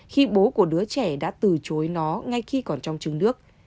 khi bố của đứa trẻ đã từ chối nó ngay khi còn trong trứng nước